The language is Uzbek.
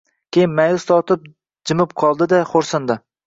Keyin ma’yus tortib jimib qoldida, xo‘rsindi.